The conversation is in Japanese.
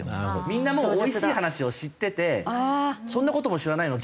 みんなもうおいしい話を知ってて「そんな事も知らないの？